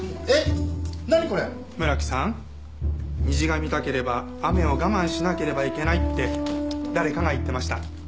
虹が見たければ雨を我慢しなければいけないって誰かが言ってました。